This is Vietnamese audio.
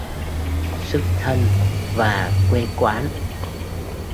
Xuất thân và quê quán